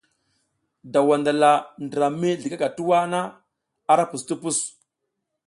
Daw wandala ndra mi zligaka tuwa na ara pus ti pus.